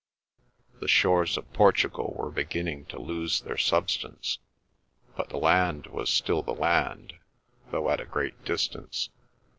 The shores of Portugal were beginning to lose their substance; but the land was still the land, though at a great distance.